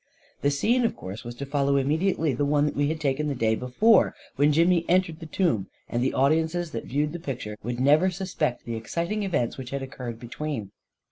The scene, of course, was to follow im mediately the one we had taken the day before, when Jimmy entered the tomb, and the audiences that viewed the picture would never suspect the exciting events which had occurred between!